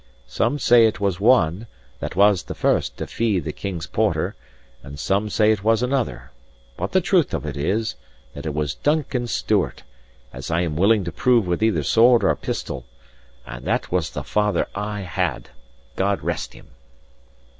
Some say it was one, that was the first to fee the King's porter; and some say it was another; but the truth of it is, that it was Duncan Stewart, as I am willing to prove with either sword or pistol. And that was the father that I had, God rest him!"